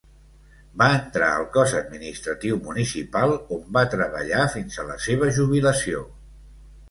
Va entrar al cos administratiu municipal on va treballar fins a la seva jubilació.